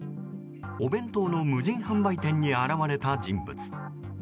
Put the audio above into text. お弁当の無人販売店に現れた人物。